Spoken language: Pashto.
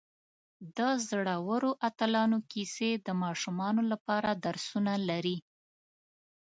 د زړورو اتلانو کیسې د ماشومانو لپاره درسونه لري.